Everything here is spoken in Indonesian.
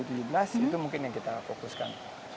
itu mungkin yang kita fokuskan